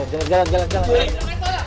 jalan jalan jalan